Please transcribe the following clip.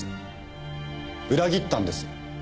裏切ったんです。